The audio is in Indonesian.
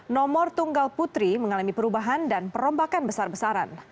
nomor tunggal putri mengalami perubahan dan perombakan besar besaran